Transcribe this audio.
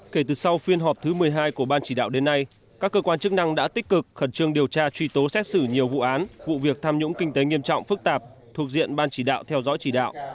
kể từ sau phiên họp thứ một mươi hai của ban chỉ đạo đến nay các cơ quan chức năng đã tích cực khẩn trương điều tra truy tố xét xử nhiều vụ án vụ việc tham nhũng kinh tế nghiêm trọng phức tạp thuộc diện ban chỉ đạo theo dõi chỉ đạo